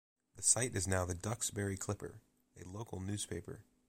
The site is now the "Duxbury Clipper", a local newspaper.